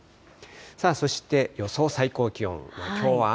そして、予想最高気温。